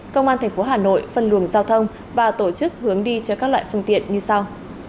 công an tp hà nội phân luồng giao thông và tổ chức hướng đi cho các loại phương tiện như sau